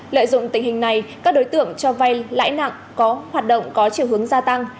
lợi dụng tình hình này các đối tượng cho vay lãi nặng có hoạt động có chiều hướng gia tăng